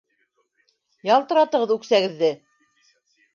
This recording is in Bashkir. - Ялтыратығыҙ үксәгеҙҙе!